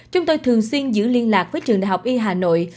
chúng tôi thường xuyên giữ liên lạc với trường đại học y hà nội